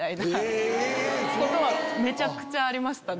めちゃくちゃありました。